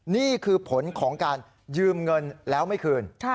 นี่คือผลของการยืมเงินแล้วไม่คืน